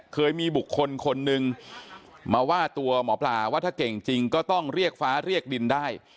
เคยมีบุคคลคนนึงมาว่าตัวหมอปลาว่าถ้าเก่งจริงก็ต้องเรียกฟ้าเรียกดินได้